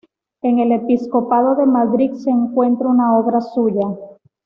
En el Episcopado de Madrid, se encuentra una obra suya.